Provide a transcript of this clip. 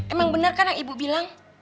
emang benar kan yang ibu bilang